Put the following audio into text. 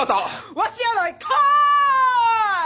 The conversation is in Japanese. わしやないかい！